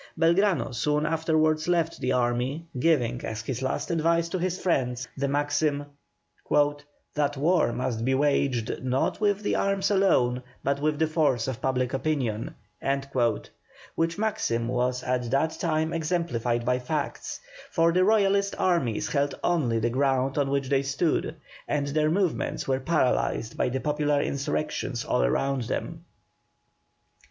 Belgrano soon afterwards left the army, giving as his last advice to his friends the maxim, "that war must be waged not with arms alone but with the force of public opinion," which maxim was at that time exemplified by facts, for the Royalist armies held only the ground on which they stood, and their movements were paralyzed by the popular insurrections all around them.